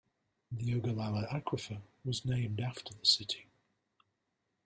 The Ogallala Aquifer was named after the city.